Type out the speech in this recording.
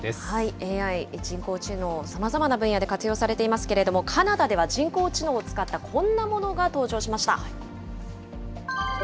ＡＩ・人工知能、さまざまな分野で活用されていますけれども、カナダでは人工知能を使ったこんなものが登場しました。